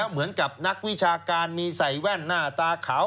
มีสายแว่นหน้าตาขาว